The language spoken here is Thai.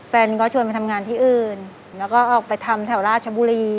แฟนก็ชวนไปทำงานที่อื่นแล้วก็ออกไปทำแถวราชบุรี